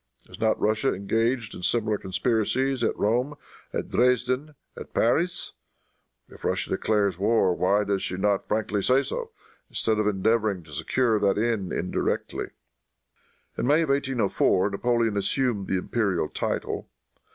Is not Russia engaged in similar conspiracies at Rome, at Dresden and at Paris? If Russia desires war, why does she not frankly say so, instead of endeavoring to secure that end indirectly?" In May of 1804, Napoleon assumed the imperial title.